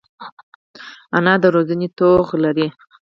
انا د روزنې توغ لري